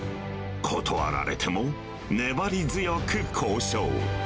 断られても、粘り強く交渉。